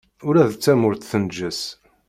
Ula d tamurt tenǧes.